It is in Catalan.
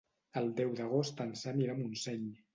El deu d'agost en Sam irà a Montseny.